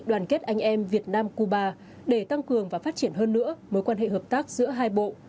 đoàn kết anh em việt nam cuba để tăng cường và phát triển hơn nữa mối quan hệ hợp tác giữa hai bộ